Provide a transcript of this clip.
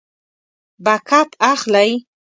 بیک اپ اخلئ؟